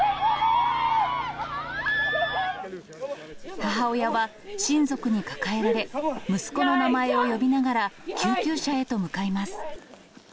母親は親族に抱えられ、息子の名前を呼びながら、救急車へと向かいます。